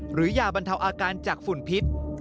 หรือยาบรรเทาอาการจากฝุ่นพิษ